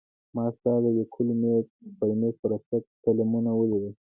ما ستا د لیکلو مېز او پر مېز پراته قلمونه ولیدل.